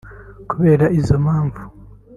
Kubera izo mpamvu